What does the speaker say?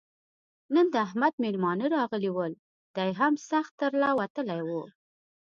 نن د احمد مېلمانه راغلي ول؛ دی هم سخت تر له وتلی وو.